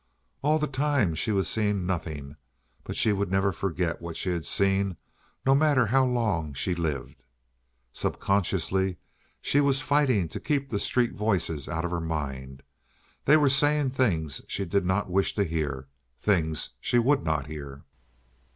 All the time she was seeing nothing, but she would never forget what she had seen, no matter how long she lived. Subconsciously she was fighting to keep the street voices out of her mind. They were saying things she did not wish to hear, things she would not hear.